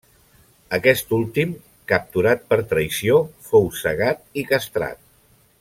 Aquest últim, capturat per traïció, fou cegat i castrat.